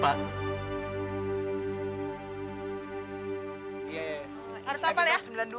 per menurut kamu